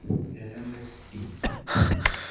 Terram-as-t-id.